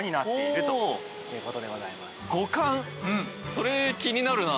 それ気になるな。